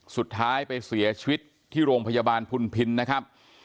สุดท้ายไปเสียชีวิตที่โรงพยาบาลพุนพินนะครับ